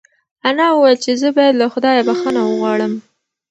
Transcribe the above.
انا وویل چې زه باید له خدایه بښنه وغواړم.